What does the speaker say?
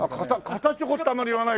硬チョコってあんまり言わないから。